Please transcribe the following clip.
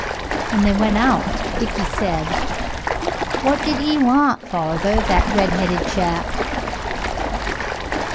When they went out Dickie said "What did he want, farver that redheaded chap?"